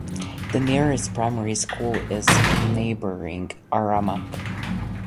The nearest primary school is in neighbouring Aramac.